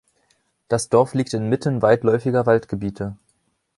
Das Dorf liegt inmitten weitläufiger Waldgebiete.